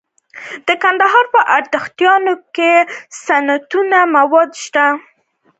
د کندهار په ارغنداب کې د سمنټو مواد شته.